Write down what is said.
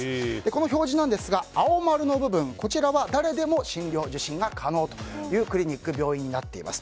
この表示ですが青丸の部分は誰でも診療・受診が可能というクリニック、病院になっています。